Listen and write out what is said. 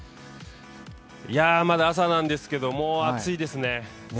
まだ朝なんですけども暑いですね。